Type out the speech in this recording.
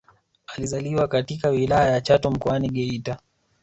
Alizaliwa katika Wilaya ya Chato Mkoani Geita